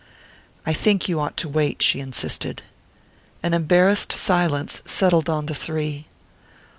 "I think you ought to wait," she insisted. An embarrassed silence settled on the three.